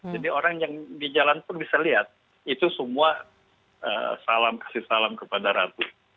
jadi orang yang di jalan pun bisa lihat itu semua kasih salam kepada ratu